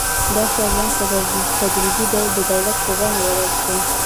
دا سازمان په تدریجي ډول د دولت په بڼه بدل شو.